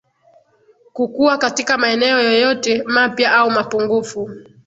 kukua katika maeneo yoyote mapya au mapungufu